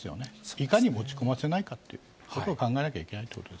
いかに持ち込ませないかということを考えなきゃいけないというこ